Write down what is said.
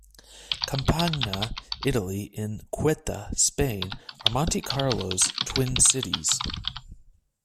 Campagna, Italy and Ceuta, Spain are Monte Carlo's twin cities.